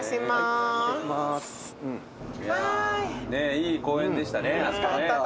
いい公園でしたね。